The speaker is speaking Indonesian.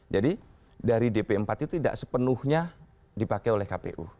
jadi dari dp empat itu tidak sepenuhnya dipakai oleh kpu